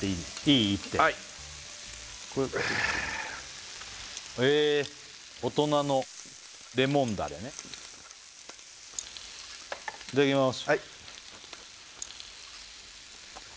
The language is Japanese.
いってはいへえ大人のレモンダレねいただきます